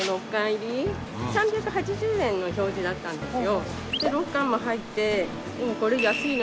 ３８０円の表示だったんですよ。